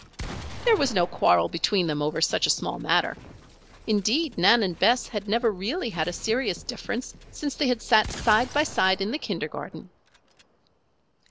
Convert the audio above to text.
There was no quarrel between them over such a small matter. Indeed, Nan and Bess had never really had a serious difference since they had sat side by side in the kindergarten.